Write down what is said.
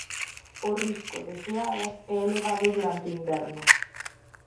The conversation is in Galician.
O risco de xeadas é elevado durante o inverno.